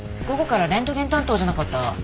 午後からレントゲン担当じゃなかった？